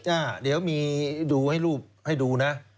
จ้าเดี๋ยวมีดูให้รูปให้ดูนะ